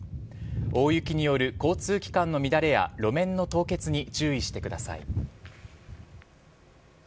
大雪による交通機関の乱れや路面の凍結に注意してください。